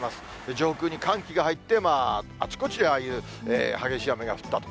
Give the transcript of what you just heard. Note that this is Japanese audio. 上空に寒気が入って、あちこちでああいう激しい雨が降ったと。